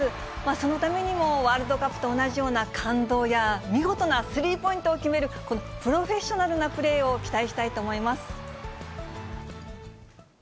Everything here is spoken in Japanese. そのためにもワールドカップと同じような感動や、見事なスリーポイントを決めるプロフェッショナルなプレーを期待